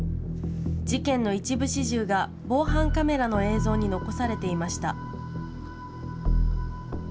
事件の一部始終が防犯カメラの映像に残されていました。